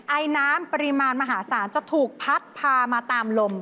ไอน้ำปริมาณมหาศาลจะถูกพัดพามาตามลม